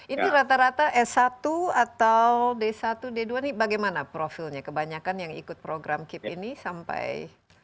ini rata rata s satu atau d satu d dua ini bagaimana profilnya kebanyakan yang ikut program kip ini sampai